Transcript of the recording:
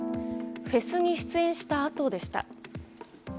フェスに出演したあとでした。